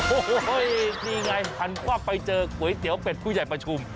โอ้โหนี่ไงหันความไปเจอก๋วยเตี๋ยวเป็ดผู้ใหญ่ประชุม